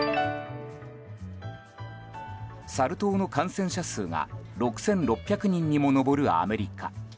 サル痘の感染者数が６６００人にも上るアメリカ。